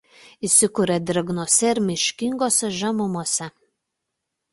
Įsikuria drėgnose ir miškingose žemumose.